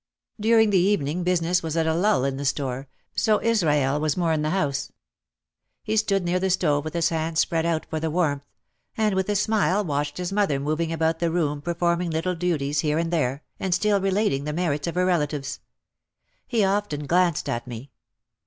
During the evening business was at a lull in the store so Israel was more in the house. He stood near the stove with his hands spread out for the warmth, and with a smile watched his mother moving about the room per forming little duties here and there and still relating the merits of her relatives. He often glanced at me.